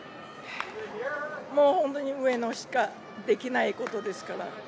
本当に上野しかできないことですから。